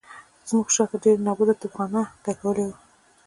زموږ شاته ډېره نابوده توپخانه لګولې وه.